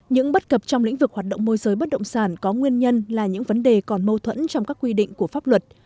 những bất cập trong lĩnh vực hoạt động môi giới bất động sản có nguyên nhân là những vấn đề còn mâu thuẫn trong các quy định của pháp luật